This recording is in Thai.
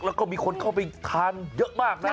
แล้วก็มีคนเข้าไปทานเยอะมากนะ